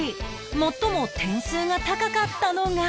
最も点数が高かったのが